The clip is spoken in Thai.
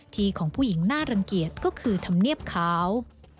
ที่ของผู้หญิงน่ารังเกียจก็คือธรรมเนียบขาว